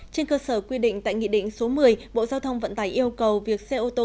trên cơ sở quy định tại nghị định số một mươi bộ giao thông vận tải yêu cầu việc xe ô tô